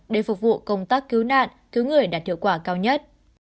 để phục vụ công tác cứu nạn cứu người đạt hiệu quả cao nhất